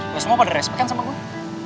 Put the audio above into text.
lo semua pada respect kan sama gue